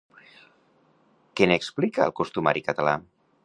Què n'explica el costumari català?